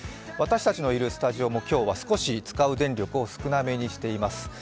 私たちのいるスタジオも今日は少し使う電力を少なめにしています。